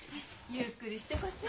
ゆっくりしてこせ。